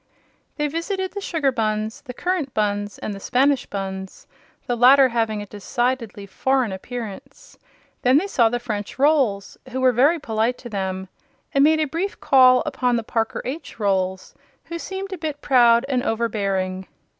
They visited the Sugar Bunns, the Currant Bunns and the Spanish Bunns, the latter having a decidedly foreign appearance. Then they saw the French Rolls, who were very polite to them, and made a brief call upon the Parker H. Rolls, who seemed a bit proud and overbearing.